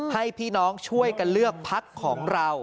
ให้พี่น้องช่วยกันเลือกพักของเรา